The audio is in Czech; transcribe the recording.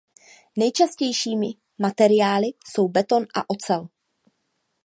Nejčastějšími materiály jsou beton a ocel.